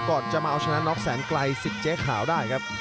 ก่อนจะมาเอาชนะน็อกแสนไกลสิทธิ์เจ๊ขาวได้ครับ